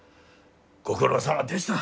ご苦労さまでした。